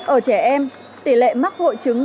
ở trẻ em tỷ lệ mắc hội chứng